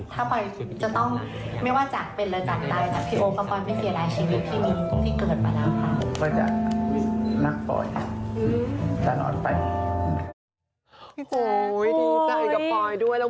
ถ้าปอยจะต้องไม่ว่าจะเป็นหรือจะตายนะพี่โอ๊คก็ไม่เสียดายชีวิตที่มีทุกที่เกิดไปแล้วค่ะ